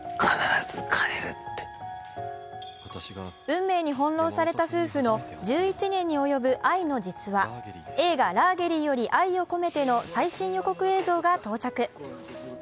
運命に翻弄された夫婦の１１年に及ぶ愛の実話、映画「ラーゲリより愛を込めて」の最新予告映像が到着。